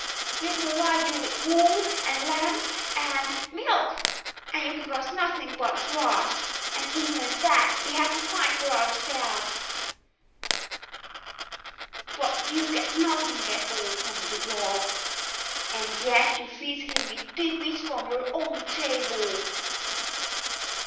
We provide you with wool and lambs and milk and you give us nothing but grass, and even that we have to find for ourselves: but you get nothing at all from the Dog, and yet you feed him with tit bits from your own table."